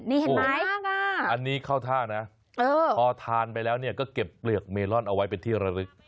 นี่เห็นไหมอันนี้เข้าท่านะพอทานไปแล้วเนี่ยก็เก็บเปลือกเมลอนเอาไว้เป็นที่ระลึก